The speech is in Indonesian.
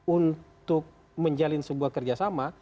untuk menjalin sebuah kerja sama